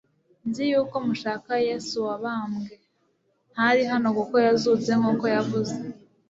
nzi yuko mushaka Yesu wabambwe, ntari hano kuko yazutse nk'uko yavuze.